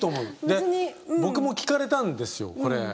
で僕も聞かれたんですよこれ。